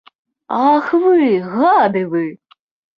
Ах, вы, гады вы!